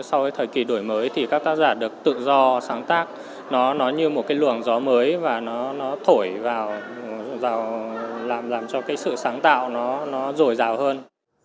thì sau cái thời kỳ đổi mới thì các tác giả được tự do sáng tác nó như một cái lường gió mới và nó thổi vào làm cho cái sự sáng tạo nó rổi rào hơn